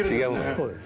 そうです。